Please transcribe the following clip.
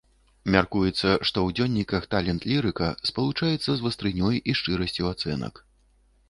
Мяркуецца, што ў дзённіках талент лірыка спалучаецца з вастрынёй і шчырасцю ацэнак.